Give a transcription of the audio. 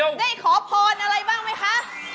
ได้ขอพรอะไรบ้างไหมคะ